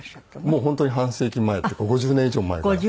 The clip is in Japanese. もう本当に半世紀前っていうか５０年以上前から。